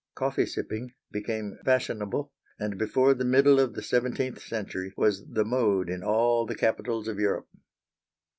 Coffee sipping became fashionable, and before the middle of the seventeenth century was the mode in all the capitals of Europe.